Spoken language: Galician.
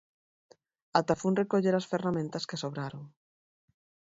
Ata fun recoller as ferramentas que sobraron.